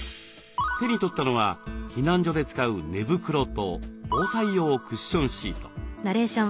手に取ったのは避難所で使う寝袋と防災用クッションシート。